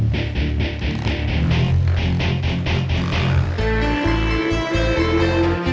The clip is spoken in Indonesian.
perusahaan kita belum siap